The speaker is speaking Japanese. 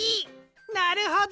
なるほど！